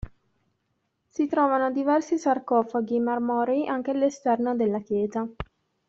Si trovano diversi sarcofaghi marmorei anche all'esterno della chiesa.